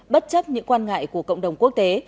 bất chấp những quan ngại của cộng đồng quốc tế